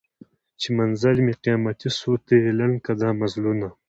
چي منزل مي قیامتي سو ته یې لنډ کي دا مزلونه